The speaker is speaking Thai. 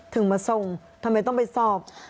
ถึงมาส่งทำไมต้องไปสอบ